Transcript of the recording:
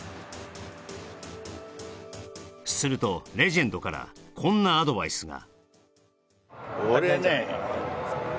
すると、レジェンドからこんなアドバイスが。